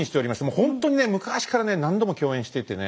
もうほんとにね昔からね何度も共演していてね